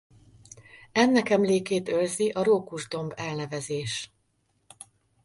Ennek emlékét őrzi a Rókus-domb elnevezés.